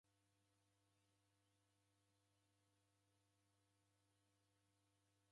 Kampuni rimu rakaia na ofisi raw'o rose anduamweri.